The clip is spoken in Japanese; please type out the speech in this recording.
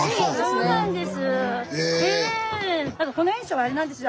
そうなんです。